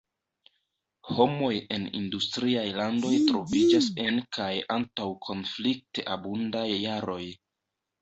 Homoj en industriaj landoj troviĝas en kaj antaŭ konflikt-abundaj jaroj.